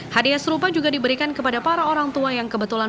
hadiah serupa juga diberikan kepada para orang tua yang kebetulan